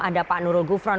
ada pak nurul gufron